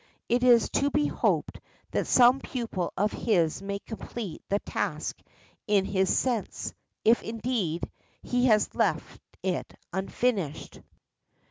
It is to be hoped that some pupil of his may complete the task in his sense, if, indeed, he has left it unfinished.